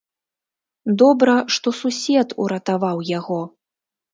Добра, што сусед уратаваў яго.